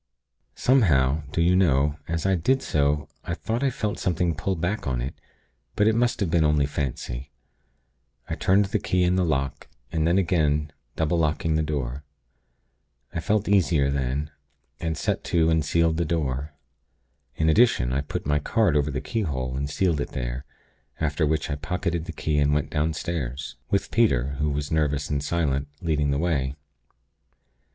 Somehow, do you know, as I did so, I thought I felt something pull back on it; but it must have been only fancy. I turned the key in the lock, and then again, double locking the door. I felt easier then, and set to and sealed the door. In addition, I put my card over the keyhole, and sealed it there; after which I pocketed the key, and went downstairs with Peter; who was nervous and silent, leading the way.